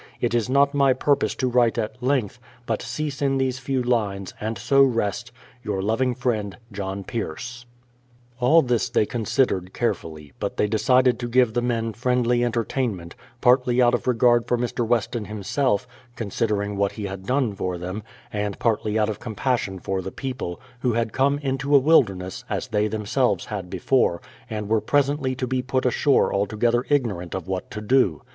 It is not my purpose to write at length, but cease in these few lines, and so rest, Your loving friend, JOHN PIERCE. All this they considered carefully; but they decided to give the men friendly entertainment, partly out of regard for Mr. Weston himself, considering what he had done for them, and partly out of compassion for the people, who had come into a wilderness (as they themselves had before) and were presently to be put ashore altogether ignorant of what to do.